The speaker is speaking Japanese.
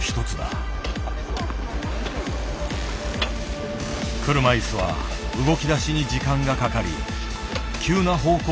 車いすは動きだしに時間がかかり急な方向転換も難しい。